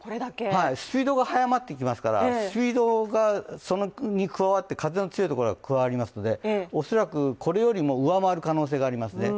スピードが速まってきますからスピードがその分、風の強いところが加わりますので、恐らくこれより上回る可能性がありますね。